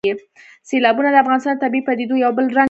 سیلابونه د افغانستان د طبیعي پدیدو یو بل رنګ دی.